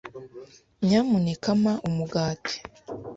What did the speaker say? Nyamuneka mpa umugati.